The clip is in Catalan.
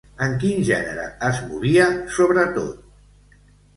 En quin gènere es movia, sobretot?